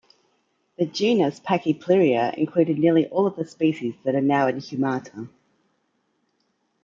The genus "Pachypleuria" included nearly all of the species that are now in "Humata".